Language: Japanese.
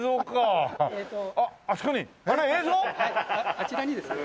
あちらにですね